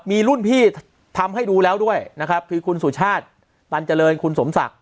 มีรุ่นพี่ทำให้ดูแล้วด้วยนะครับคือคุณสุชาติตันเจริญคุณสมศักดิ